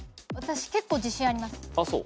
私結構自信あります。